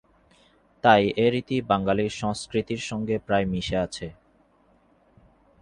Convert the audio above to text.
তাই এ রীতি বাঙালির সংস্কৃতির সঙ্গে প্রায় মিশে আছে।